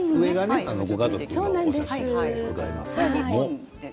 ご家族の写真でございますけれども。